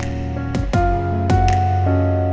sini kita mulai mencoba